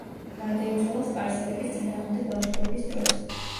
გარდაიცვალა სპარსელების წინააღმდეგ ლაშქრობის დროს.